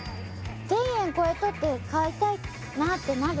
１０００円超えとって買いたいなってなる？